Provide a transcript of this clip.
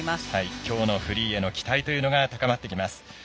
きょうのフリーへの期待というのが高まってきます。